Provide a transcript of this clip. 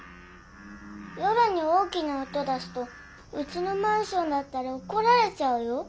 夜に大きな音出すとうちのマンションだったらおこられちゃうよ。